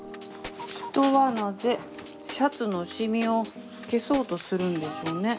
人はなぜシャツのシミを消そうとするんでしょうね。